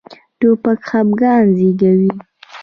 توپک خپګان زېږوي.